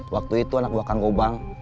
waktu itu anak gue kang gobang